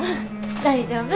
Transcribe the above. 大丈夫。